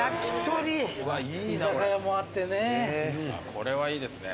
これはいいですね。